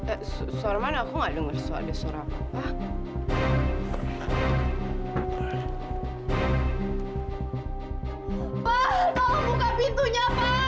eh suara mana aku gak dengar suara suara apa